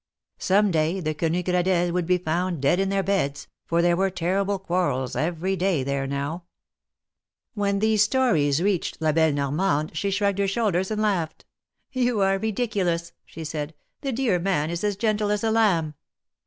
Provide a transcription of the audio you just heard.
Some day the Quenu Gradelles would be found dead in their beds, for there were terrible quarrels every day there now. 248 THE MARKETS OF PARIS. When these stories reached La belle Normande she shrugged her shoulders, and laughed. You are ridiculous, she said. ^^The dear man is as gentle as a lamb